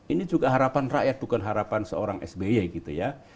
ini juga harapan rakyat bukan harapan seorang sby gitu ya